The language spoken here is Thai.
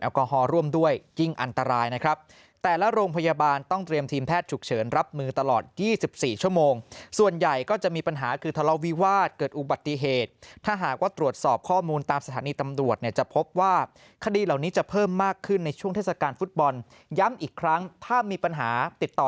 กอฮอล์ร่วมด้วยยิ่งอันตรายนะครับแต่ละโรงพยาบาลต้องเตรียมทีมแพทย์ฉุกเฉินรับมือตลอด๒๔ชั่วโมงส่วนใหญ่ก็จะมีปัญหาคือทะเลาวิวาสเกิดอุบัติเหตุถ้าหากว่าตรวจสอบข้อมูลตามสถานีตำรวจเนี่ยจะพบว่าคดีเหล่านี้จะเพิ่มมากขึ้นในช่วงเทศกาลฟุตบอลย้ำอีกครั้งถ้ามีปัญหาติดต่อ